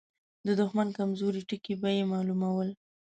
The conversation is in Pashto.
د دښمن کمزوري ټکي به يې مالومول.